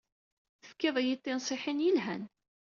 Tefkiḍ-iyi-d tinṣiḥin yelhan.